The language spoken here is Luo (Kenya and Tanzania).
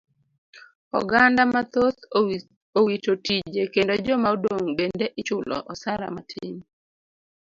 Oganda mathoth owito tije kendo joma odong' bende ichulo osara matin.